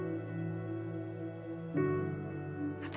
私。